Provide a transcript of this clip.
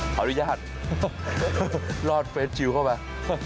ขออนุญาตรอดเฟรดชิวเข้ามา